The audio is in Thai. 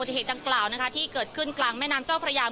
พูดสิทธิ์ข่าวธรรมดาทีวีรายงานสดจากโรงพยาบาลพระนครศรีอยุธยาครับ